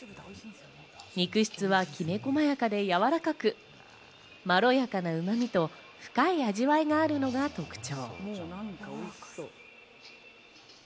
肉質はきめ細やかでやわらかく、まろやかなうまみと深い味わいがあるのが特徴。